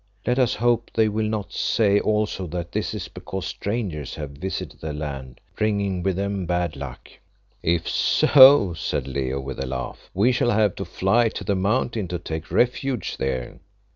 Let us hope they will not say also that this is because strangers have visited the land, bringing with them bad luck." "If so," said Leo with a laugh, "we shall have to fly to the Mountain to take refuge there."